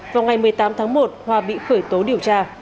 vào ngày một mươi tám tháng một hòa bị khởi tố điều tra